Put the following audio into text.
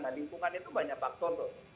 nah lingkungan itu banyak faktor tuh